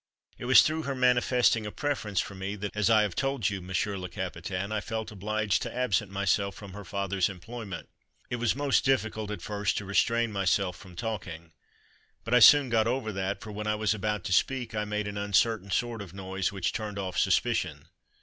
It was through her manifesting a preference for me that, as I have told you, Monsieur le Capitaine, I felt obliged to absent myself from her father's employment. It was most difficult at first to restrain myself from talking. But I soon got over that, for when I was about to speak I made an uncertain sort of noise, which turned off suspicion.